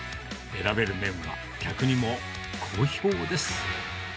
選べる麺は客にも好評です。